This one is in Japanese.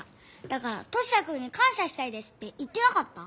だからトシヤくんにかんしゃしたいですって言ってなかった？